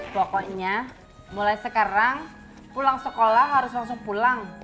pokoknya mulai sekarang pulang sekolah harus langsung pulang